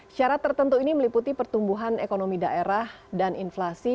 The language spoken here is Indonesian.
syarat tertentu ini meliputi pertumbuhan ekonomi daerah dan inflasi